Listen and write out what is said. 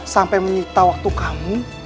sampai minta waktu kamu